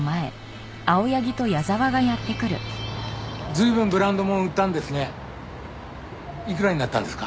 随分ブランド物売ったんですね。